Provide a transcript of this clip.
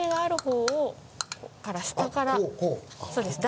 そうです。